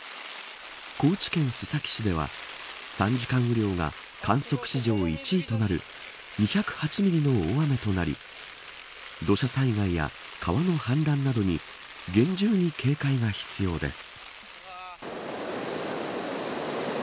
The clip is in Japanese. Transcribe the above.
高知県須崎市では３時間雨量が観測史上１位となる２０８ミリの大雨となり土砂災害や川の氾濫などに厳重に警戒が必要です。